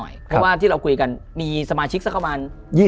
เพราะว่าที่เราคุยกันมีสมาชิกสักประมาณ๒๐